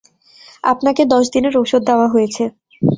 আপনাকে দশ দিনের ঔষধ দেওয়া হয়েছে।